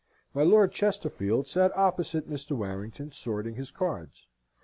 My Lord Chesterfield sate opposite Mr. Warrington, sorting his cards.